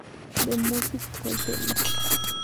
The Musical Quarterly.